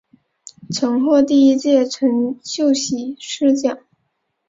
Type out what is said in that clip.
曾获第一届陈秀喜诗奖。